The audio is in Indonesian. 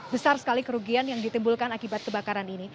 besar sekali kerugian yang ditimbulkan akibat kebakaran ini